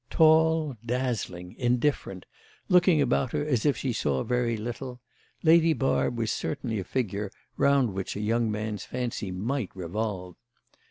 Tall, dazzling, indifferent, looking about her as if she saw very little, Lady Barb was certainly a figure round which a young man's fancy might revolve.